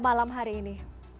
malam hari ini